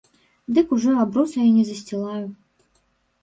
Дык ужо абруса і не засцілаю.